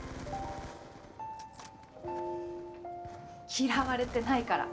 嫌われてないから。